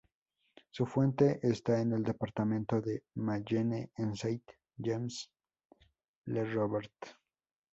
Su fuente está en el departamento de Mayenne, en Sainte-Gemmes-le-Robert.